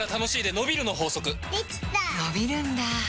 のびるんだ